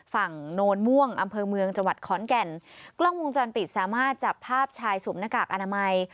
โนนม่วงอำเภอเมืองจังหวัดขอนแก่นกล้องวงจรปิดสามารถจับภาพชายสวมหน้ากากอนามัย